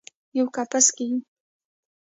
یوه کپس کې یو